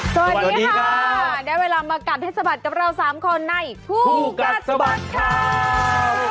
สวัสดีค่ะได้เวลามากัดให้สะบัดกับเรา๓คนในคู่กัดสะบัดข่าว